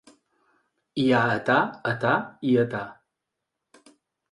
Hi ha età, età i età.